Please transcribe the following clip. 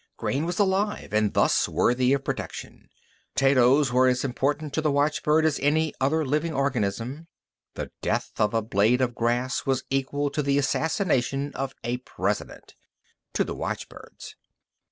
Grain was alive and thus worthy of protection. Potatoes were as important to the watchbird as any other living organism. The death of a blade of grass was equal to the assassination of a President To the watchbirds.